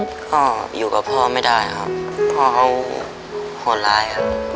พ่ออยู่กับพ่อไม่ได้ครับพ่อเขาโหดร้ายครับ